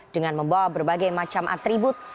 dengan membawa berbagai macam atribut